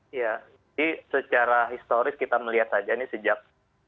ya jadi secara historis kita melihat saja ini sejak dua ribu tujuh belas